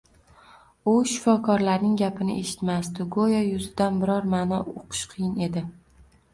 U shifokorlarning gapini eshitmasdi go`yo yuzdan biror ma`no uqish qiyin edi